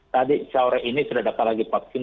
tadi sore ini sudah dapat lagi vaksin